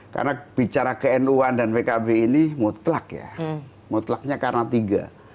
karena bicara ke nu an dan pkb ini mutlak ya mutlaknya karena tiga